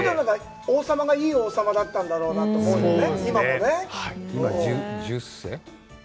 王様がいい王様だったんだろうなと思うよね。